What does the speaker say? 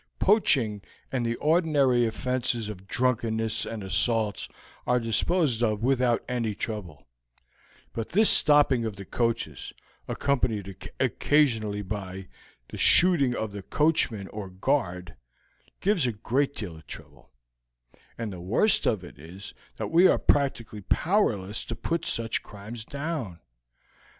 Poaching and the ordinary offenses of drunkenness and assaults are disposed of without any trouble; but this stopping of the coaches, accompanied occasionally by the shooting of the coachman or guard, gives a great deal of trouble, and the worst of it is that we are practically powerless to put such crimes down.